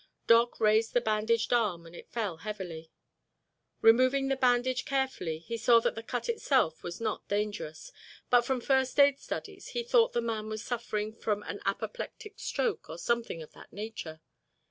Doc raised the bandaged arm and it fell heavily. Removing the bandage carefully he saw that the cut itself was not dangerous, but from first aid studies he thought the man was suffering from an apoplectic stroke or something of that nature.